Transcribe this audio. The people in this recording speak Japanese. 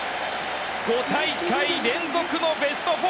５大会連続のベスト４。